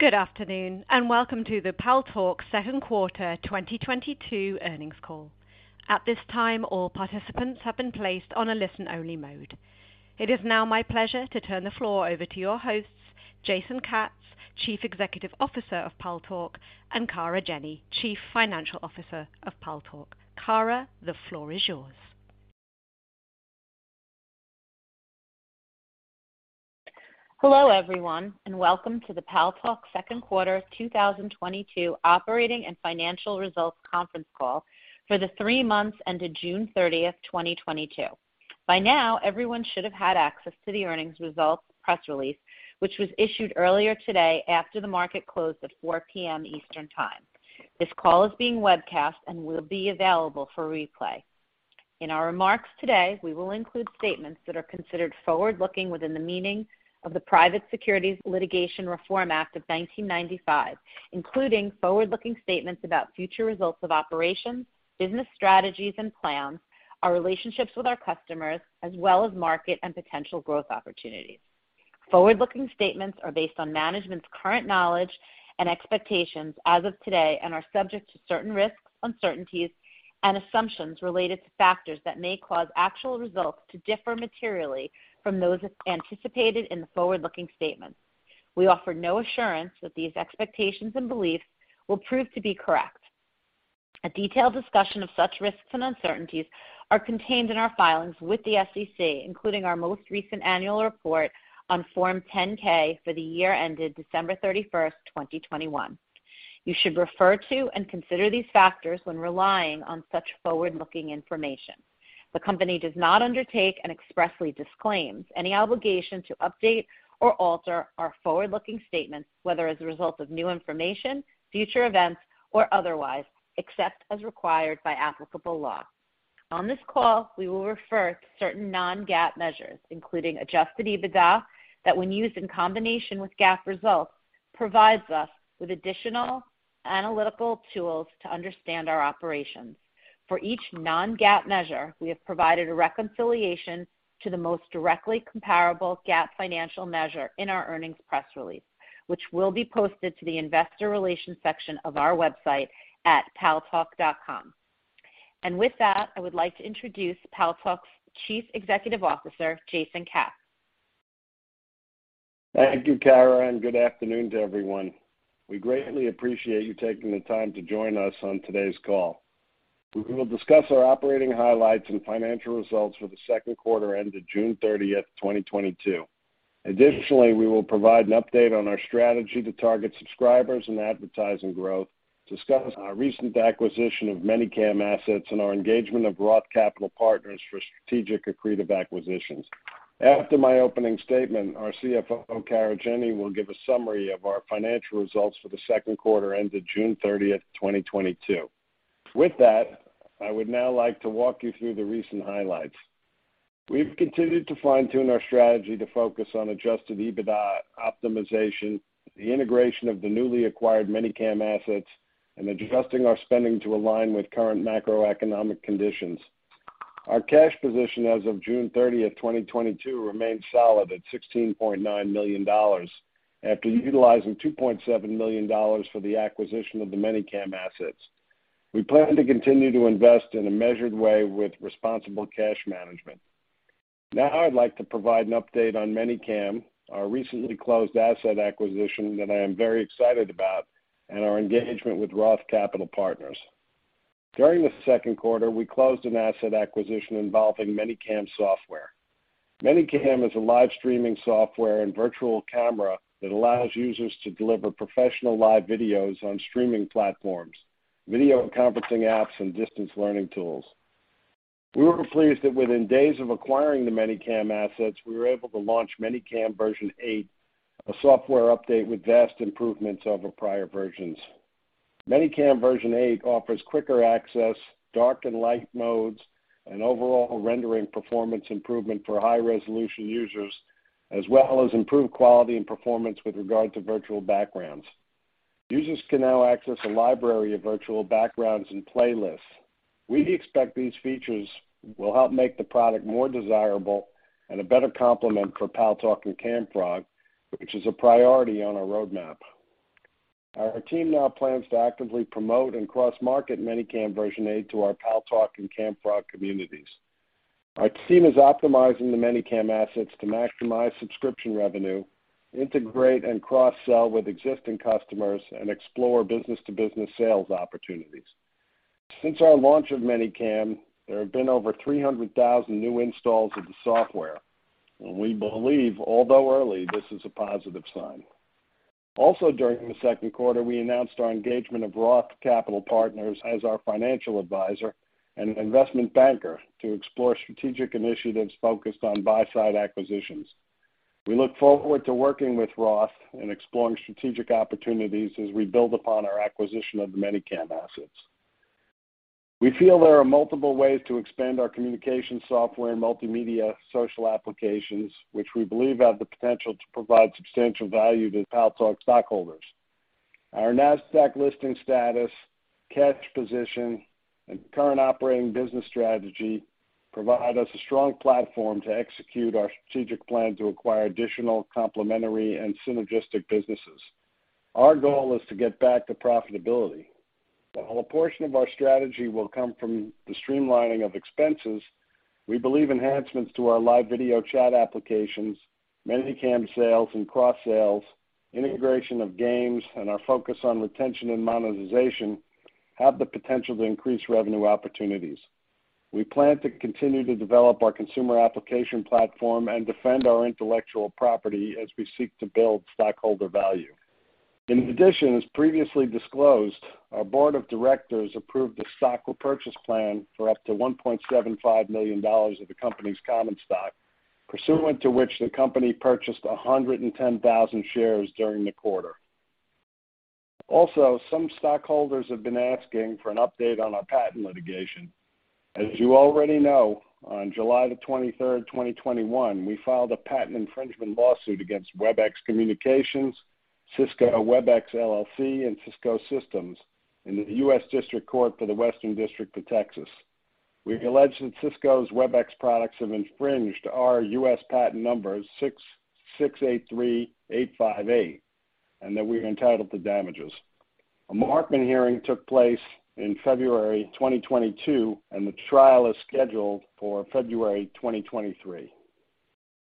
Good afternoon, and welcome to the Paltalk second quarter 2022 earnings call. At this time, all participants have been placed on a listen-only mode. It is now my pleasure to turn the floor over to your hosts, Jason Katz, Chief Executive Officer of Paltalk, and Kara Jenny, Chief Financial Officer of Paltalk. Kara, the floor is yours. Hello, everyone, and welcome to the Paltalk second quarter 2022 operating and financial results conference call for the three months ended June 30, 2022. By now, everyone should have had access to the earnings results press release, which was issued earlier today after the market closed at 4:00 P.M. Eastern Time. This call is being webcast and will be available for replay. In our remarks today, we will include statements that are considered forward-looking within the meaning of the Private Securities Litigation Reform Act of 1995, including forward-looking statements about future results of operations, business strategies and plans, our relationships with our customers, as well as market and potential growth opportunities. Forward-looking statements are based on management's current knowledge and expectations as of today and are subject to certain risks, uncertainties, and assumptions related to factors that may cause actual results to differ materially from those anticipated in the forward-looking statements. We offer no assurance that these expectations and beliefs will prove to be correct. A detailed discussion of such risks and uncertainties are contained in our filings with the SEC, including our most recent annual report on Form 10-K for the year ended December 31, 2021. You should refer to and consider these factors when relying on such forward-looking information. The company does not undertake and expressly disclaims any obligation to update or alter our forward-looking statements, whether as a result of new information, future events, or otherwise, except as required by applicable law. On this call, we will refer to certain non-GAAP measures, including adjusted EBITDA, that when used in combination with GAAP results, provides us with additional analytical tools to understand our operations. For each non-GAAP measure, we have provided a reconciliation to the most directly comparable GAAP financial measure in our earnings press release, which will be posted to the investor relations section of our website at paltalk.com. With that, I would like to introduce Paltalk's Chief Executive Officer, Jason Katz. Thank you, Kara, and good afternoon to everyone. We greatly appreciate you taking the time to join us on today's call. We will discuss our operating highlights and financial results for the second quarter ended June 30, 2022. Additionally, we will provide an update on our strategy to target subscribers and advertising growth, discuss our recent acquisition of ManyCam assets and our engagement of ROTH Capital Partners for strategic accretive acquisitions. After my opening statement, our CFO, Kara Jenny, will give a summary of our financial results for the second quarter ended June 30, 2022. With that, I would now like to walk you through the recent highlights. We've continued to fine-tune our strategy to focus on adjusted EBITDA optimization, the integration of the newly acquired ManyCam assets, and adjusting our spending to align with current macroeconomic conditions. Our cash position as of June 30th, 2022 remains solid at $16.9 million after utilizing $2.7 million for the acquisition of the ManyCam assets. We plan to continue to invest in a measured way with responsible cash management. Now I'd like to provide an update on ManyCam, our recently closed asset acquisition that I am very excited about, and our engagement with ROTH Capital Partners. During the second quarter, we closed an asset acquisition involving ManyCam software. ManyCam is a live streaming software and virtual camera that allows users to deliver professional live videos on streaming platforms, video conferencing apps, and distance learning tools. We were pleased that within days of acquiring the ManyCam assets, we were able to launch ManyCam version 8, a software update with vast improvements over prior versions. ManyCam version 8 offers quicker access, dark and light modes, an overall rendering performance improvement for high-resolution users, as well as improved quality and performance with regard to virtual backgrounds. Users can now access a library of virtual backgrounds and playlists. We expect these features will help make the product more desirable and a better complement for Paltalk and Camfrog, which is a priority on our roadmap. Our team now plans to actively promote and cross-market ManyCam version 8 to our Paltalk and Camfrog communities. Our team is optimizing the ManyCam assets to maximize subscription revenue, integrate and cross-sell with existing customers, and explore business-to-business sales opportunities. Since our launch of ManyCam, there have been over 300,000 new installs of the software. We believe, although early, this is a positive sign. Also during the second quarter, we announced our engagement of ROTH Capital Partners as our financial advisor and investment banker to explore strategic initiatives focused on buy-side acquisitions. We look forward to working with ROTH and exploring strategic opportunities as we build upon our acquisition of the ManyCam assets. We feel there are multiple ways to expand our communication software and multimedia social applications, which we believe have the potential to provide substantial value to Paltalk stockholders. Our Nasdaq listing status, cash position, and current operating business strategy provide us a strong platform to execute our strategic plan to acquire additional complementary and synergistic businesses. Our goal is to get back to profitability. While a portion of our strategy will come from the streamlining of expenses, we believe enhancements to our live video chat applications, ManyCam sales and cross-sales, integration of games, and our focus on retention and monetization have the potential to increase revenue opportunities. We plan to continue to develop our consumer application platform and defend our intellectual property as we seek to build stockholder value. In addition, as previously disclosed, our Board of Directors approved a stock repurchase plan for up to $1.75 million of the company's common stock, pursuant to which the company purchased 110,000 shares during the quarter. Also, some stockholders have been asking for an update on our patent litigation. As you already know, on July 23, 2021, we filed a patent infringement lawsuit against Webex Communications, Cisco Webex LLC, and Cisco Systems in the U.S. District Court for the Western District of Texas. We alleged that Cisco's Webex products have infringed our U.S. Patent No. 6,683,858 and that we're entitled to damages. A Markman hearing took place in February 2022, and the trial is scheduled for February 2023.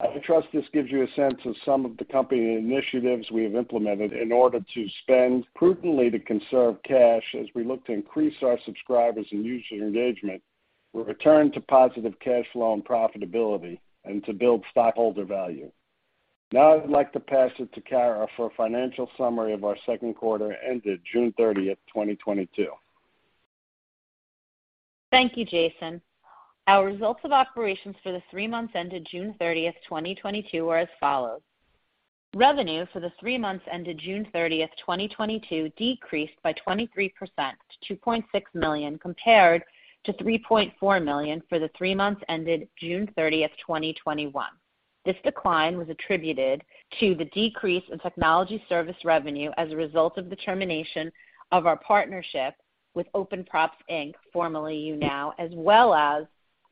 I trust this gives you a sense of some of the company initiatives we have implemented in order to spend prudently to conserve cash as we look to increase our subscribers and user engagement, return to positive cash flow and profitability, and to build stockholder value. Now I'd like to pass it to Kara for a financial summary of our second quarter ended June 30, 2022. Thank you, Jason. Our results of operations for the three months ended June 30th, 2022 were as follows. Revenue for the three months ended June 30th, 2022 decreased by 23% to $2.6 million, compared to $3.4 million for the three months ended June 30th, 2021. This decline was attributed to the decrease in technology service revenue as a result of the termination of our partnership with Open Props, Inc, formerly YouNow, as well as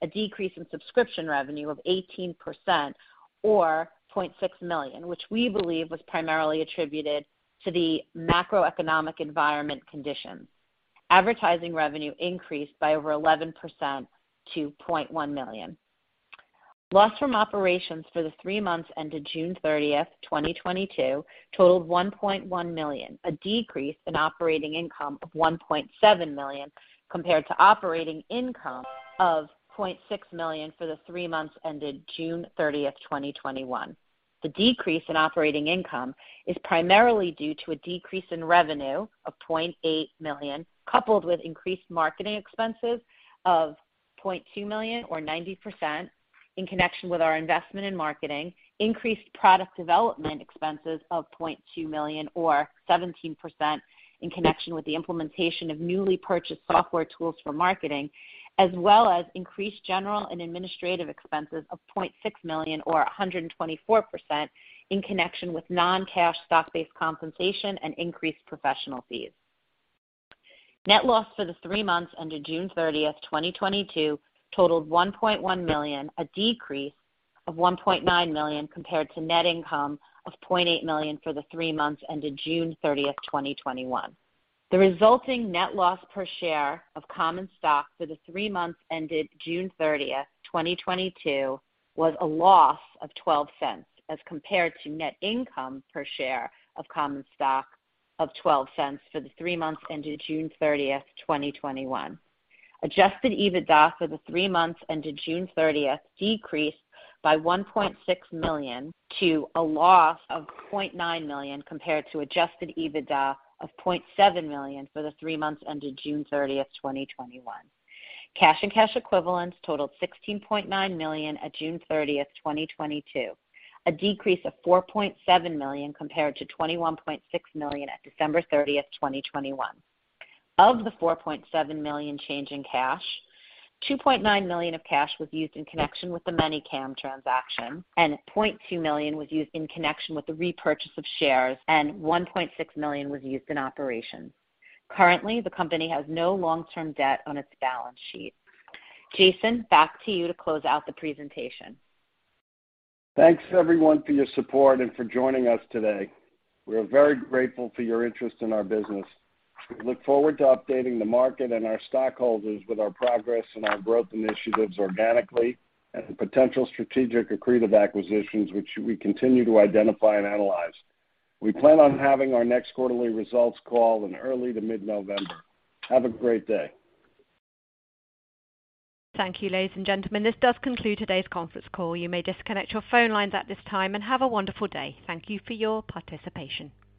a decrease in subscription revenue of 18% or $0.6 million, which we believe was primarily attributed to the macroeconomic environment conditions. Advertising revenue increased by over 11% to $0.1 million. Loss from operations for the three months ended June 30th, 2022 totaled $1.1 million, a decrease in operating income of $1.7 million compared to operating income of $0.6 million for the three months ended June 30th, 2021. The decrease in operating income is primarily due to a decrease in revenue of $0.8 million, coupled with increased marketing expenses of $0.2 million or 90% in connection with our investment in marketing, increased product development expenses of $0.2 million or 17% in connection with the implementation of newly purchased software tools for marketing, as well as increased general and administrative expenses of $0.6 million or 124% in connection with non-cash stock-based compensation and increased professional fees. Net loss for the three months ended June 30, 2022 totaled $1.1 million, a decrease of $1.9 million compared to net income of $0.8 million for the three months ended June 30, 2021. The resulting net loss per share of common stock for the three months ended June 30, 2022 was a loss of $0.12 as compared to net income per share of common stock of $0.12 for the three months ended June 30, 2021. Adjusted EBITDA for the three months ended June 30 decreased by $1.6 million to a loss of $0.9 million compared to adjusted EBITDA of $0.7 million for the three months ended June 30, 2021. Cash and cash equivalents totaled $16.9 million at June 30, 2022, a decrease of $4.7 million compared to $21.6 million at December 30, 2021. Of the $4.7 million change in cash, $2.9 million of cash was used in connection with the ManyCam transaction, and $0.2 million was used in connection with the repurchase of shares, and $1.6 million was used in operations. Currently, the company has no long-term debt on its balance sheet. Jason, back to you to close out the presentation. Thanks, everyone, for your support and for joining us today. We are very grateful for your interest in our business. We look forward to updating the market and our stockholders with our progress and our growth initiatives organically and potential strategic accretive acquisitions which we continue to identify and analyze. We plan on having our next quarterly results call in early to mid-November. Have a great day. Thank you, ladies and gentlemen. This does conclude today's conference call. You may disconnect your phone lines at this time and have a wonderful day. Thank you for your participation.